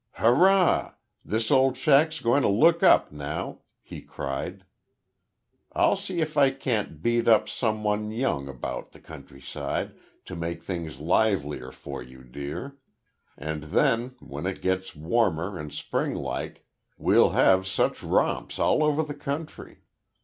"Hurrah! This old shack's going to look up now," he cried. "I'll see if I can't beat up some one young about the country side, to make things livelier for you, dear. And then, when it gets warmer and springlike, we'll have such romps all over the country.